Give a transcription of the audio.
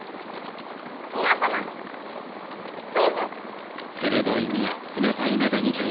皆様どうぞ。